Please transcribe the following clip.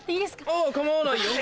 ああ構わないよ。